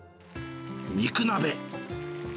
肉鍋。